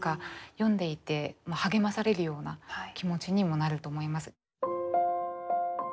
読んでいて励まされるような気持ちにもなると思います。